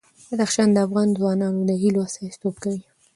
بدخشان د افغان ځوانانو د هیلو استازیتوب کوي.